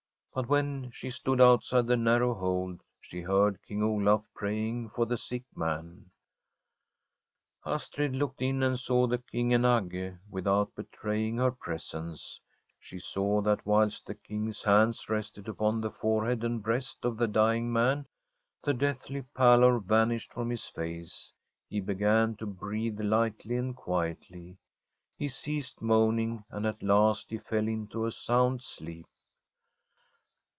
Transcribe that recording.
But when she stood out side the narrow hold, she heard King Olaf pray ing for the sick man. Astrid looked in and saw the King and Agge without betraying her presence. She saw that I204] ASTRID whilst the King's hands rested upon the forehead and breast of the dying man, the deathly pallor vanished from his face; he began to breathe lightly and quietly; he ceased moaning, and at last he fell into a sound sleep.